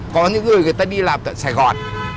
có những người người ta đi làm tại sài gòn